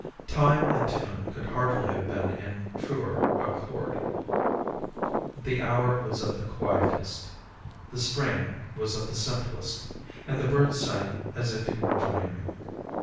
Time and tune could hardly have been in truer accord. The hour was of the quietest, the strain was of the simplest, and the bird sang as if he were dreaming.